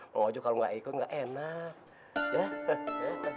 bang ojo kalau nggak ikut nggak enak